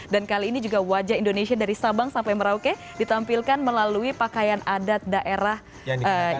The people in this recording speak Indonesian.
dan kali ini juga wajah indonesia dari sabang sampai merauke ditampilkan melalui pakaian adat daerah yang dikenakan